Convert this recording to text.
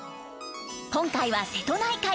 今回は瀬戸内海。